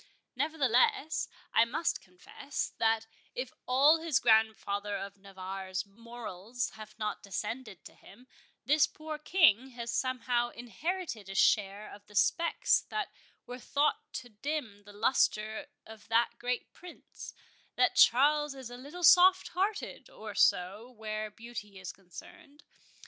Nevertheless, I must confess, that if all his grandfather of Navarre's morals have not descended to him, this poor King has somehow inherited a share of the specks that were thought to dim the lustre of that great Prince—that Charles is a little soft hearted, or so, where beauty is concerned.